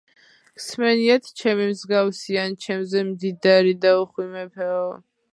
გსმენიათ, ჩემი მსგავსი ან ჩემზე მდიდარი და უხვი მეფეო.